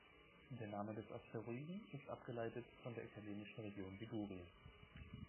Der Name des Asteroiden ist abgeleitet von der italienischen Region Ligurien.